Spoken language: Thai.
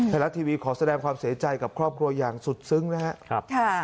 ไทยรัฐทีวีขอแสดงความเสียใจกับครอบครัวอย่างสุดซึ้งนะครับ